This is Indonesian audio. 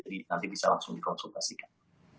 jadi nanti bisa langsung dikonsultasikan